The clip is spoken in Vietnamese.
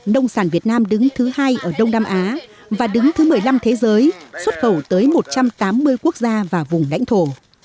nông sản việt nam đứng thứ hai ở đông nam á và đứng thứ một mươi năm thế giới xuất khẩu tới một trăm tám mươi quốc gia và vùng lãnh thổ